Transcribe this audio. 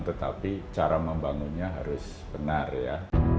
tetapi cara membangunnya harus benar ya